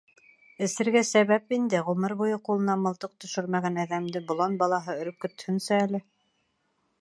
— Эсергә сәбәп инде, ғүмер буйы ҡулынан мылтыҡ төшөрмәгән әҙәмде болан балаһы өркөтһөнсө әле.